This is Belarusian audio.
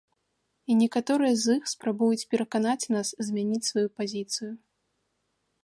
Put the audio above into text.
І некаторыя з іх спрабуюць пераканаць нас змяніць сваю пазіцыю.